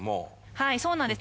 はいそうなんです。